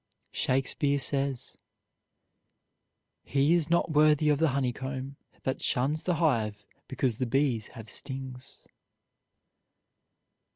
Shakespeare says: "He is not worthy of the honeycomb that shuns the hive because the bees have stings."